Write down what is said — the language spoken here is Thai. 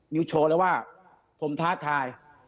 นิวโชว์แล้วว่าผมท้าทาย